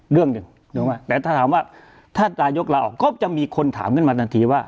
เรื่องหนึ่งแต่ถ้าถามว่าถ้านายกลาออกก็จะมีคนถามขึ้นมาทันทีว่า